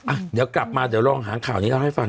เดี๋ยวกลับมาเราลองหาข่าวนี้เอาให้ฟัง